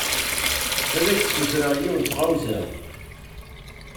Ad ak-d-sutreɣ yiwen n tɣawsa.